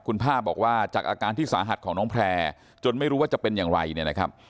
คุณป้าบอกว่าจากอาการที่สาหัสของน้องแพร่จนไม่รู้ว่าจะเป็นอย่างไรเนี่ยนะครับ